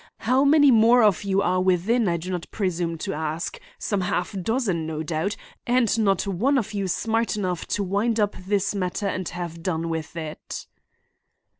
How many more of you are within I do not presume to ask. Some half dozen, no doubt, and not one of you smart enough to wind up this matter and have done with it."